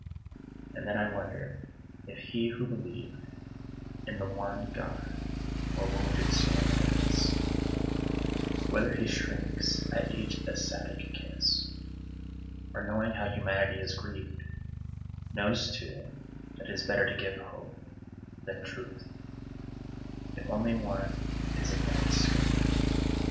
And then I wondered if He who believed In the One God were wounded sore by this, Whether He shrinks at each ecstatic kiss, Or knowing how humanity is grieved, Knows too that it is better to give Hope Than Truth, if only one is in man's scope.